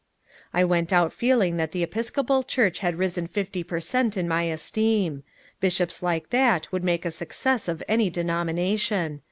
I went out feeling that the Episcopal Church had risen fifty per cent. in my esteem. Bishops like that would make a success of any denomination.